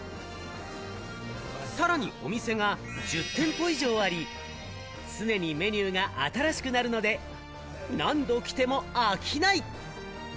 さらにお店が１０店舗以上あり、常にメニューが新しくなるので、何度来ても飽きない！